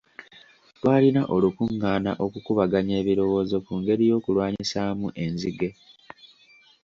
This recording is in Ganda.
Twalina olukungaana okukubaganya ebirowoozo ku ngeri y'okulwanyisaamu enzige.